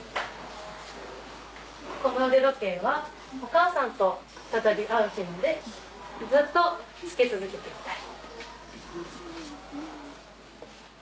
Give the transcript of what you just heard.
「このうで時計はお母さんと再び会う日までずっとつけ続けていたい」。